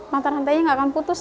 mantan hantainya tidak akan putus